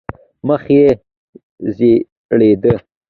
مخ یې زېړېده.